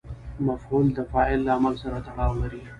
مفعول د فاعل له عمل سره تړاو لري.